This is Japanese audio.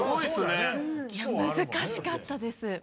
難しかったです。